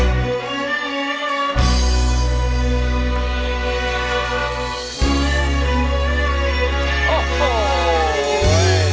นี่ล่ะครับโอ้โฮเว้ย